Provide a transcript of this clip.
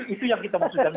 itu yang kita mau sujarakan